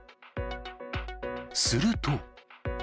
すると。